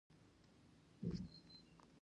د هغه ژوند د ځان موندنې بېلګه ده.